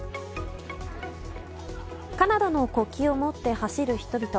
カナダの国旗を持って走る人々。